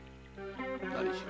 何しろ